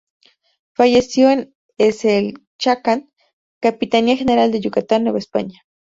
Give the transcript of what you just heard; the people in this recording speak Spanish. Falleció en Hecelchakán, Capitanía General de Yucatán, Nueva España.